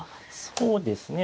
そうですね。